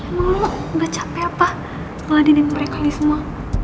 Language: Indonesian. emang lo gak capek apa ngeladinin mereka nih semua